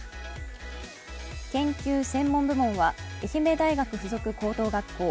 研究・専門部門は愛媛大学附属高等学校。